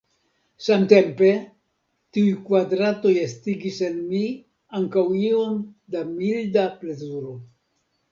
Samtempe, tiuj kvadratoj estigis en mi ankaŭ iom da milda plezuro.